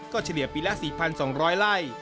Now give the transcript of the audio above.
เฉลี่ยปีละ๔๒๐๐ไร่